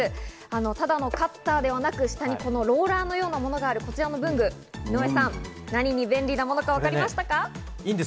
ただのカッターではなく、下にローラーのようなものがあるこちらの文具、井上さん、何に便利なものかわかりましたか？